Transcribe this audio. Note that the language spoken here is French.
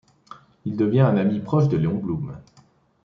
Il devient un ami proche de Léon Blum.